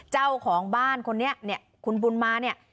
เจ้าของบ้านคนนี้คุณบุญมา